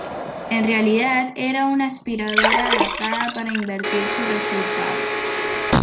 En realidad, era una aspiradora adaptada para invertir su resultado.